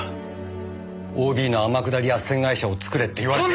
ＯＢの天下り斡旋会社を作れって言われて。